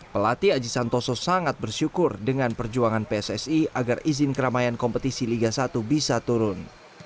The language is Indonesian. pelatih aji santoso sangat bersyukur dengan perjuangan pssi agar izin keramaian kompetisi liga satu bisa turun